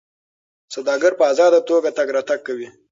سوداګر په ازاده توګه تګ راتګ کوي.